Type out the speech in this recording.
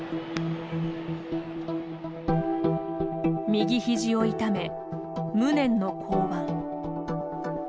右ひじを痛め無念の降板。